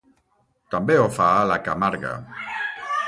També ho fa a la Camarga.